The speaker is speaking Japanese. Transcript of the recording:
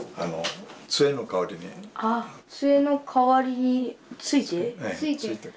つえの代わりについて？